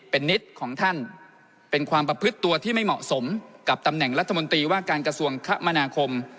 เป็นนิตของท่านเป็นความประพฤติตัวที่ไม่เหมาะสมกับตำแหน่งรัฐมนตรีว่าการกระทรวงคมนาคม